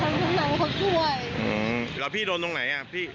เราก็เลยให้ชั้นทุกหนังเขาช่วยอืมแล้วพี่โดนตรงไหนอ่ะพี่